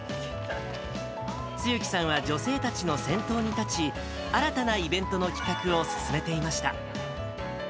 露木さんは女性たちの先頭に立ち、新たなイベントの企画を進めていました。